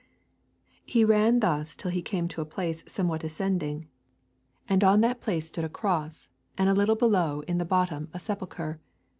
'He ran thus till he came to a place somewhat ascending, and upon that place stood a cross, and a little below in the bottom a sepulchre.